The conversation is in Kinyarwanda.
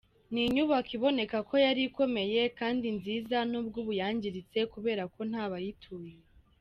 Ni inyubako iboneka ko yari ikomeye kandi nziza nubwo ubu yangiritse kubera ko ntabayituye.